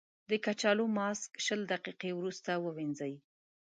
د کچالو ماسک شل دقیقې وروسته ووينځئ.